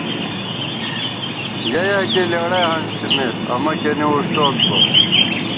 یَہ یَکِہ لېڑَئی ہنسِمېت امہ کېنے وُݭٹوک بہ